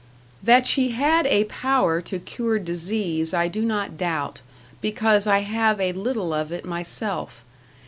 That she had a power to cure disease I do not doubt, because I have a little of it myself.